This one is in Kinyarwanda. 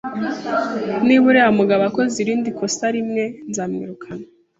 Niba uriya mugabo akoze irindi kosa rimwe, nzamwirukana